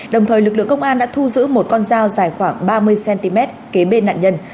đồng thời lực lượng công an đã thu giữ một con dao dài khoảng ba mươi cm kế bên nạn nhân